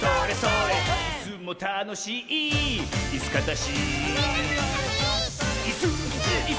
「いすもたのしいいすかたし」